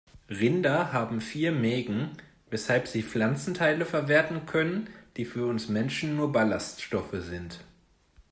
Rinder haben vier Mägen, weshalb sie Pflanzenteile verwerten können, die für uns Menschen nur Ballaststoffe sind.